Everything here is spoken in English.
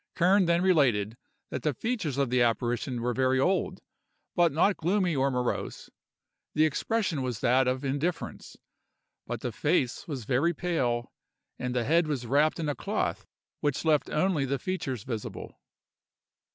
Kern then related that the features of the apparition were very old, but not gloomy or morose; the expression was that of indifference; but the face was very pale, and the head was wrapped in a cloth which left only the features visible.